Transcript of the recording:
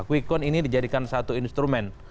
kwikon ini dijadikan satu instrumen